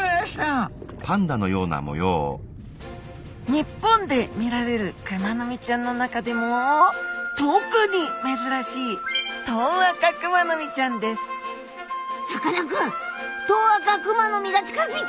日本で見られるクマノミちゃんの中でも特に珍しいさかなクントウアカクマノミが近づいてくるよ！